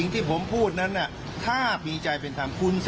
ที่จงคุณสุภาพที่จะตายต่างการ